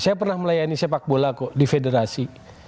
saya pernah melayani sepak bola kok di federasi